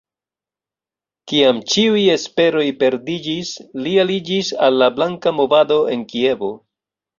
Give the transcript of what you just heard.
Kiam ĉiuj esperoj perdiĝis, li aliĝis al la Blanka movado en Kievo.